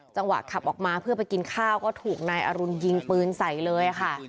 จังหวะขับออกมาเพื่อไปกินข้าวก็ถูกนายอรุณยิงปืนใส่เลยค่ะ